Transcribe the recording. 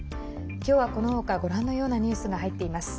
きょうは、このほかご覧のようなニュースが入っています。